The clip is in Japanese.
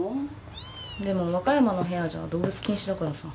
でも和歌山の部屋じゃ動物禁止だからさ。